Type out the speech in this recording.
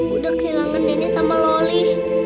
aku udah kehilangan nenek sama loli